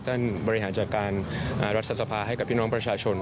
บริหารจัดการรัฐสภาให้กับพี่น้องประชาชน